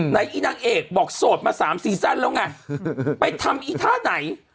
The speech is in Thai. อีนางเอกบอกโสดมา๓ซีซั่นแล้วไงไปทำอีท่าไหน